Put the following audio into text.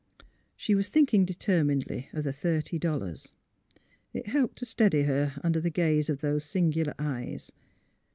She was thinking determinedly of the thirty dollars. It helped to steady her under the gaze of those singular eyes.